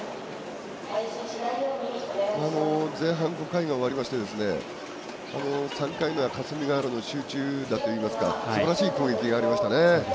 前半５回が終わりまして３回の霞ヶ浦の集中打というのはすばらしい攻撃がありましたね。